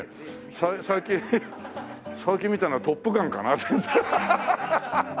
最近最近見たのは『トップガン』かな。